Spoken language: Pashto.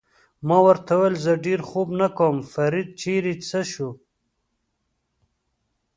ما ورته وویل: زه ډېر خوب نه کوم، فرید چېرې څه شو؟